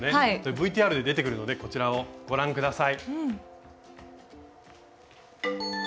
ＶＴＲで出てくるのでこちらをご覧下さい。